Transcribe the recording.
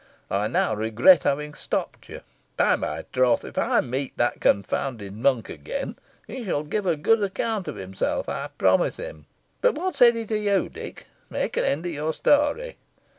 I now regret having stopped you. By my troth! if I meet that confounded monk again, he shall give a good account of himself, I promise him. But what said he to you, Dick? Make an end of your story."